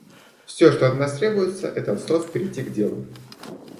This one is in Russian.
Все, что от нас требуется — это от слов перейти к делу.